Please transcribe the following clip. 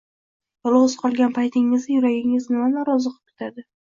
Yolg‘iz qolgan paytingizda yuragingiz nimani orziqib kutadi